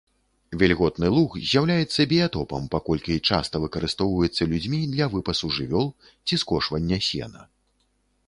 Вільготны луг з'яўляецца біятопам, паколькі часта выкарыстоўваецца людзьмі для выпасу жывёл ці скошвання сена.